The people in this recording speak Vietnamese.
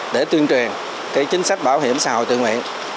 để tuyên truyền chính sách bảo hiểm xã hội tự nguyện